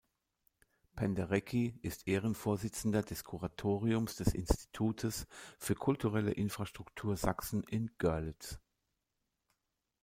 Penderecki ist Ehrenvorsitzender des Kuratoriums des Institutes für kulturelle Infrastruktur Sachsen in Görlitz.